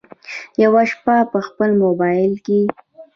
یوه شپه په خپل مبایل کې